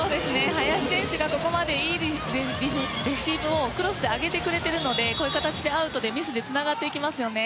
林選手がここまでいいレシーブをクロスで上げてくれてるのでこういう形でアウトでミスでつながってきますよね。